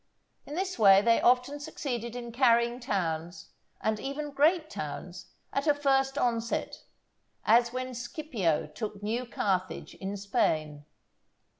In this way they often succeeded in carrying towns, and even great towns, at a first onset, as when Scipio took new Carthage in Spain.